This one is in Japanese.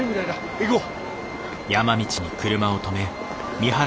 行こう。